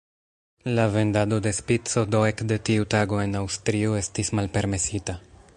La vendado de "Spico" do ekde tiu tago en Aŭstrio estis malpermesita.